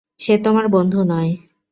সে তোমার বন্ধু নয়।